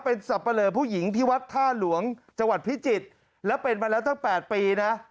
เป็นสับปะเลอผู้หญิงที่วัดท่าหลวงจังหวัดพิจิตรแล้วเป็นมาแล้วตั้ง๘ปีนะ